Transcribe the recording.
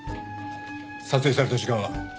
撮影された時間は？